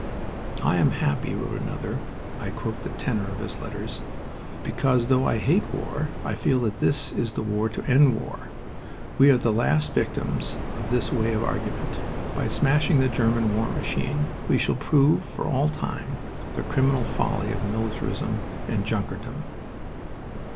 "I am happy," wrote another (I quote the tenor of his letters), "because, though I hate war, I feel that this is the war to end war. We are the last victims of this way of argument. By smashing the German war machine we shall prove for all time the criminal folly of militarism and Junkerdom."